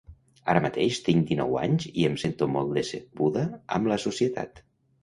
Ara mateix tinc dinou anys i em sento molt decebuda amb la societat.